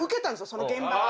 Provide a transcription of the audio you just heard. その現場が。